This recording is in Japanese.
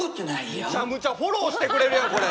むちゃむちゃフォローしてくれるやんこれ。